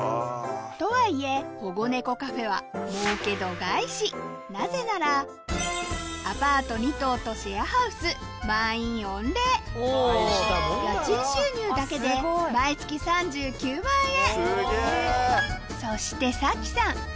とはいえ保護猫カフェはなぜならアパート２棟とシェアハウス満員御礼家賃収入だけで毎月３９万円そして咲さん